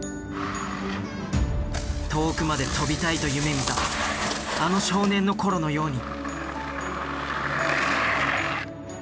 遠くまで飛びたいと夢みたあの少年の頃のように。